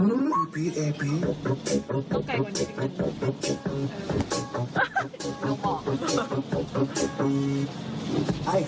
มันต้องแกะกว่านี้ดีกว่านี้